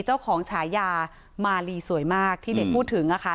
ฉายามาลีสวยมากที่เด็กพูดถึงนะคะ